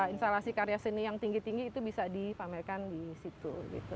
instalasi karya seni yang tinggi tinggi itu bisa dipamerkan di situ